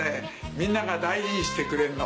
みんなが大事にしてくれんの。